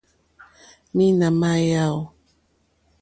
Mǐnà má yáò.